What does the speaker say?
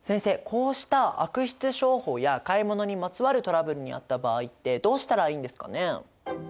こうした悪質商法や買い物にまつわるトラブルに遭った場合ってどうしたらいいんですかね？